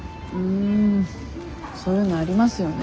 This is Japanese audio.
んそういうのありますよね。